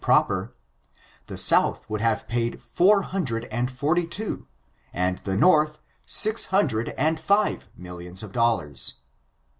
456 proper, the South would have paid four hundred and forty two, and the North six hundred and five millions of dollars.